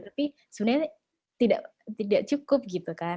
tapi sebenarnya tidak cukup gitu kan